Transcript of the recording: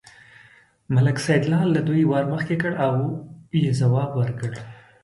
ملک سیدلال له دوی نه وار مخکې کړ او یې ځواب ورکړ.